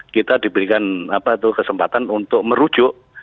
kita diberikan kesempatan untuk merujuk